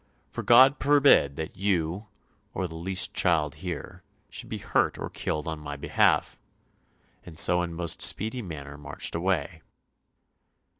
For God forbid that you, or the least child here, should be hurt or killed on my behalf,' and so in most speedy manner marched away."